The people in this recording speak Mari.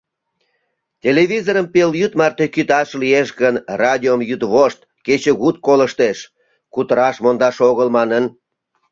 Телевизорым пелйӱд марте кӱташ лиеш гын, радиом йӱдвошт, кечыгут колыштеш: кутыраш мондаш огыл манын.